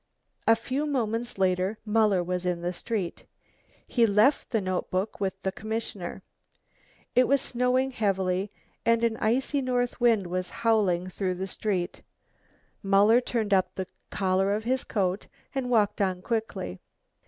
A few moments later Muller was in the street. He left the notebook with the commissioner. It was snowing heavily, and an icy north wind was howling through the streets. Muller turned up the collar of his coat and walked on quickly.